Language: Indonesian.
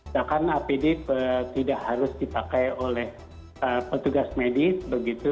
bahkan apd tidak harus dipakai oleh petugas medis begitu